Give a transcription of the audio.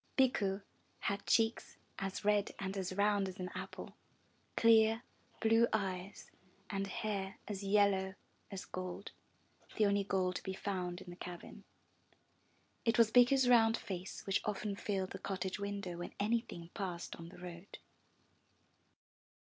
Bikku had cheeks as red and as round as an apple, clear, blue eyes and hair as yellow as gold, the only gold to be found in the cabin. It was Bikku's round face which often filled the cottage window when any thing passed on the road.